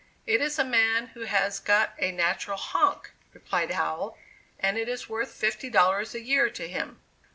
"It is a man who has got a natural 'honk'" replied Howell, "and it is worth fifty dollars a year to him."